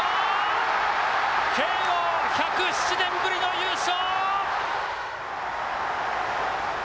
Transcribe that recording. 慶応１０７年ぶりの優勝！